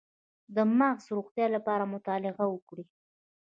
د مغز د روغتیا لپاره مطالعه وکړئ